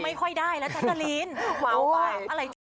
จำไม่ค่อยได้แล้วจ๊ะตาลีนว้าวไป